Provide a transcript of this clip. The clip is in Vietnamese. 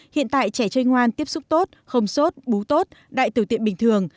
hiện tại trẻ chơi ngoan tiếp xúc tốt không sốt bú tốt đại tử tiện bình thường